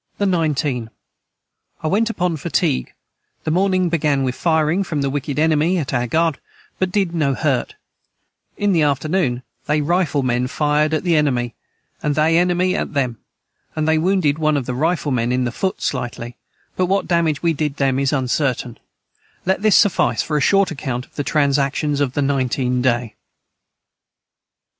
the 19. I went upon fatigue the morning began with fireing from the wicked enemy at our guard but did no hurt in the afternoon they rifle men fired at the enemy and they enemy at them and they wounded one of the rifle men in the foot Slitely but what Damage we did them is uncertain let this Suffice for a short acount of the tranactions of the 19 day.